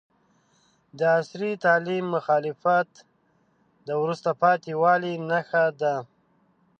د عصري تعلیم مخالفت د وروسته پاتې والي نښه ده.